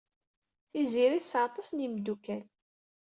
Tiziri tesɛa aṭas n yimeddukal.